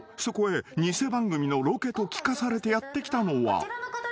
［そこへ偽番組のロケと聞かされてやって来たのは］